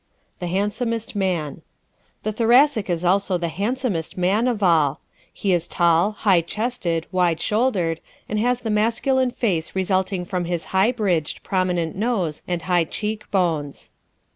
The Handsomest Man ¶ The Thoracic is also the handsomest man of all. He is tall, high chested, wide shouldered and has the masculine face resulting from his high bridged, prominent nose and high cheek bones.